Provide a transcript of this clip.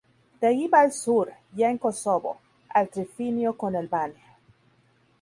De allí va al sur, ya en Kosovo, al trifinio con Albania.